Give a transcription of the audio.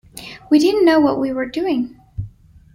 We didn't know what we were doing.